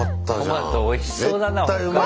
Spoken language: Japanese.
トマトおいしそうだな北海道の。